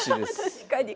確かに。